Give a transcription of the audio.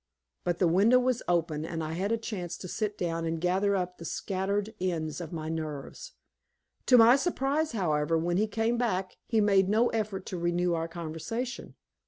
But the window was open, and I had a chance to sit down and gather up the scattered ends of my nerves. To my surprise, however, when he came back he made no effort to renew our conversation.